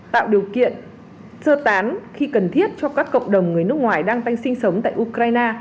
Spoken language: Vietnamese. tạo điều kiện sơ tán khi cần thiết cho các cộng đồng người nước ngoài đang tanh sinh sống tại ukraine